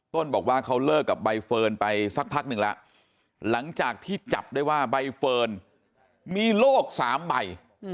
บอกว่าเขาเลิกกับใบเฟิร์นไปสักพักหนึ่งแล้วหลังจากที่จับได้ว่าใบเฟิร์นมีโลก๓ใบ